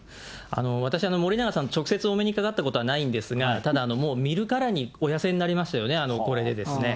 私、森永さん、直接お目にかかったことはないんですが、ただもう見るからにお痩せになりましたよね、これでですね。